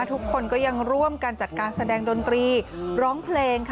ทุกคนก็ยังร่วมกันจัดการแสดงดนตรีร้องเพลงค่ะ